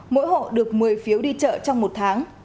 mỗi hộ được một mươi phiếu đi chợ trong một tháng